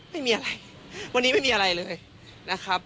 ไม่มีอะไรวันนี้ไม่มีอะไรเลยนะครับ